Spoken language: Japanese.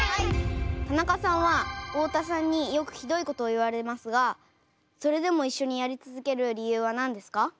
田中さんは太田さんによくひどいことを言われますがそれでも一緒にやり続ける理由は何ですか？